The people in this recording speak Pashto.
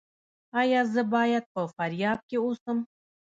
ایا زه باید په فاریاب کې اوسم؟